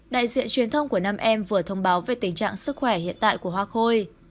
đại diện truyền thông của nam em vừa thông báo về tình trạng sức khỏe hiện tại của hoa khôi